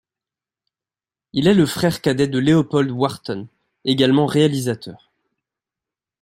Il est le frère cadet de Leopold Wharton, également réalisateur.